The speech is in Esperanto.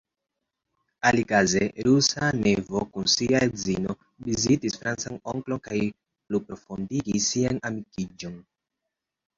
Alikaze rusa nevo kun sia edzino vizitis francan onklon kaj pluprofondigis sian amikiĝon.